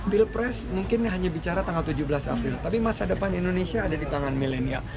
pilpres mungkin hanya bicara tanggal tujuh belas april tapi masa depan indonesia ada di tangan milenial